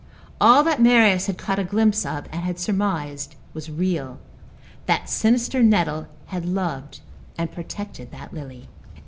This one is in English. All that Marius had caught a glimpse of and had surmised was real. That sinister nettle had loved and protected that lily.